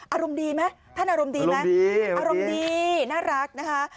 อารมณ์ดีไหมท่านอารมณ์ดีไหมอารมณ์ดีน่ารักนะคะ